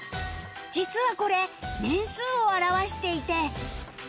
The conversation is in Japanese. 実はこれ年数を表していて